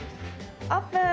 オープン！